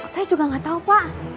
saya juga gak tau pak